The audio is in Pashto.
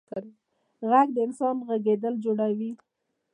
غږ د انسان غږېدل جوړوي.